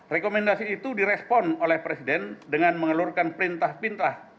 rekomendasi itu direspon oleh presiden dengan mengelurkan perintah perintah